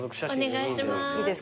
お願いします。